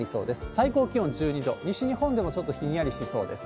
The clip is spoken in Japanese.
最高気温も１２度、西日本もちょっとひんやりしそうです。